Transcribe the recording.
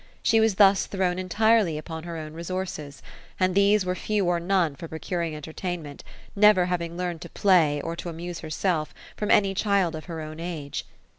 She was thus thrown entirely upon her own resources ; and these were few or none for procaring entertainment, never having learned to play, or to amuse herself, from any child of her own age.